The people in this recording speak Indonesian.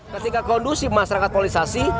ketika kondusif masyarakat polisasi